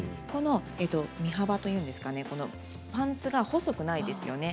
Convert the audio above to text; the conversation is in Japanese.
身幅というんですかパンツが細くないですよね。